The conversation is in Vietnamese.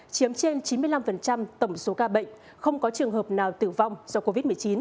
chiếm trên chín mươi năm tổng số ca bệnh không có trường hợp nào tử vong do covid một mươi chín